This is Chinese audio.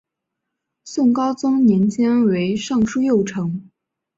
宋高宗年间为尚书右丞。